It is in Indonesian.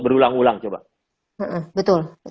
berulang ulang coba betul